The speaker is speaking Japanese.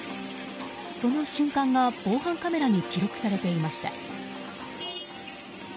その瞬間が防犯カメラに記録されていました。